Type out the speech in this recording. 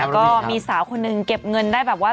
ก็มีสาวคนหนึ่งเก็บเงินได้แบบว่า